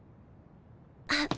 あっ。